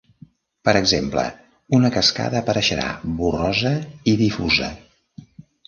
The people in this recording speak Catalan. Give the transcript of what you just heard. Per exemple, una cascada apareixerà borrosa i difusa.